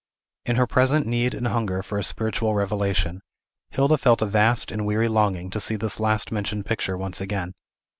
In her present need and hunger for a spiritual revelation, Hilda felt a vast and weary longing to see this last mentioned picture once again.